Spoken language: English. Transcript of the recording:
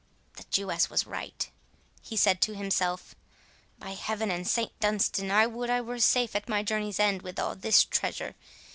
"The Jewess was right," he said to himself. "By heaven and St Dunstan, I would I were safe at my journey's end with all this treasure!